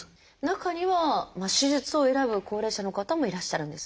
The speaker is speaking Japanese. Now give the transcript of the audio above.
中には手術を選ぶ高齢者の方もいらっしゃるんですか？